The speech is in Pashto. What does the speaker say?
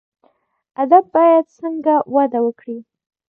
ادب باید څنګه وده وکړي؟